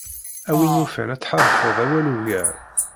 A win yufan ad tḥaṛfed awal ugar.